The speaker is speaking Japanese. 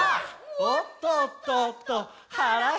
「おっとっとっとはらへった」